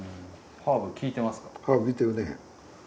ハーブ効いてるね。